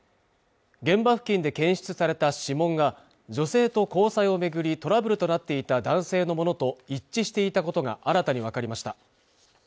現場付近で検出された指紋が女性と交際を巡りトラブルとなっていた男性のものと一致していたことが新たに分かりました